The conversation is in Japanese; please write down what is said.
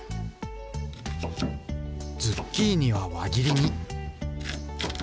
ズッキーニは輪切りに。